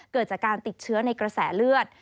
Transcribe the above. เกิดจากการติดเชื้อในกระแสเลือด